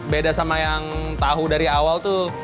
beda sama yang tahu dari awal tuh